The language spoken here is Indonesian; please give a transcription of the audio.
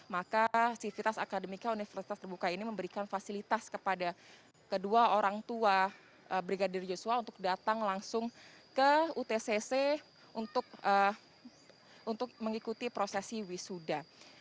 maka sivitas akademika universitas terbuka ini memberikan fasilitas kepada kedua orang tua brigadir yosua untuk datang langsung ke utcc untuk mengikuti prosesi wisuda